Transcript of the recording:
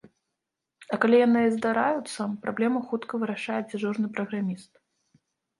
А калі яны і здараюцца, праблему хутка вырашае дзяжурны праграміст.